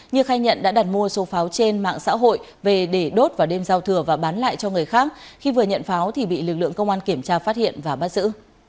như khai nhận đã đặt mua số pháo trên mạng xã hội về để đốt vào đêm giao thừa và bán lại cho người khác khi vừa nhận pháo thì bị lực lượng công an kiểm tra phát hiện và bắt giữ